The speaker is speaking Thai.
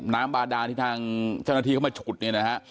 น้ำบาดาที่ทางเจ้านาธิเข้ามาฉุดเนี่ยนะฮะ